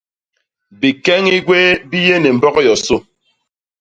Bikeñi gwéé bi yé ni mbok yosô.